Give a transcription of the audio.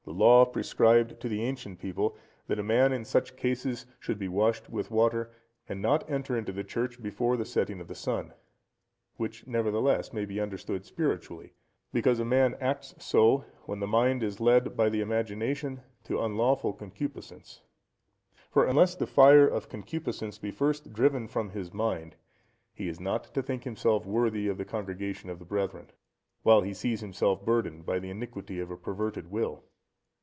The Law prescribed to the ancient people, that a man in such cases should be washed with water, and not enter into the church before the setting of the sun. Which, nevertheless, may be understood spiritually, because a man acts so when the mind is led by the imagination to unlawful concupiscence; for unless the fire of concupiscence be first driven from his mind, he is not to think himself worthy of the congregation of the brethren, while he sees himself burdened by the iniquity of a perverted will.